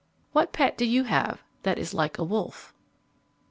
_ _What pet do you have that is like a wolf?